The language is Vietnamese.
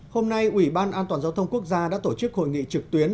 hôm nay ủy ban an toàn giao thông quốc gia đã tổ chức hội nghị trực tuyến